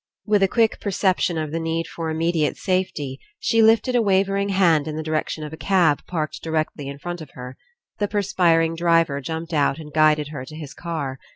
With a quick perception of the need for Im mediate safety, she lifted a wavering hand In the direction of a cab parked directly In front of her. The perspiring driver jumped out and guided her to his car.